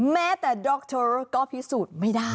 แม้แต่ดรโชโรก็พิสูจน์ไม่ได้